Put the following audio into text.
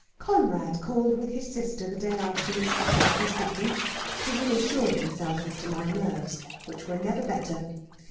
Conrad called with his sister the day after Mr. Shelfer's ducking, to reassure himself as to my nerves, which were never better.